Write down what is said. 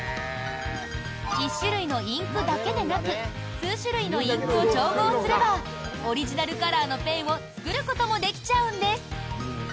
１種類のインクだけでなく数種類のインクを調合すればオリジナルカラーのペンを作ることもできちゃうんです。